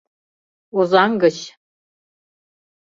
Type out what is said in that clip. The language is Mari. Озаҥ гыч.